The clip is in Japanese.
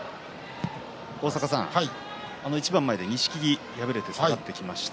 一番前で錦木、敗れて下がっていきました。